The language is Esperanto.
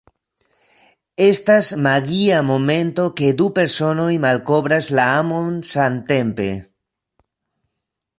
Estas magia momento ke du personoj malkovras la amon samtempe.